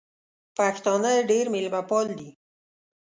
پښتانه ډېر مېلمه پال دي.